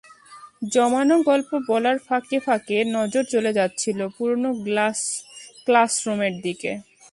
জমানো গল্প বলার ফাঁকে ফাঁকে নজর চলে যাচ্ছিল পুরোনো ক্লাস ুমের দিকে।